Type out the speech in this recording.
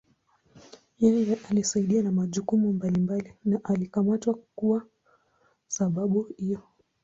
Yeye alisaidia na majukumu mbalimbali na alikamatwa kuwa sababu hiyo.